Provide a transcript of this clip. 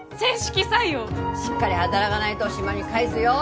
しっかり働がないど島に帰すよ！